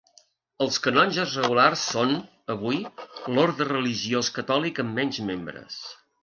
Els canonges regulars són, avui, l'orde religiós catòlic amb menys membres.